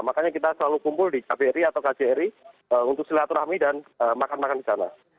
makanya kita selalu kumpul di kbri atau kjri untuk silaturahmi dan makan makan di sana